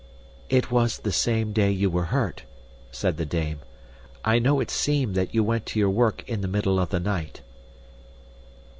"It was the same day you were hurt," said the dame. "I know it seemed that you went to your work in the middle of the night.